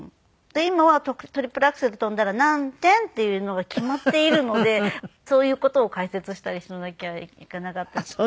今はトリプルアクセル跳んだら何点っていうのが決まっているのでそういう事を解説したりしなきゃいけなかったり。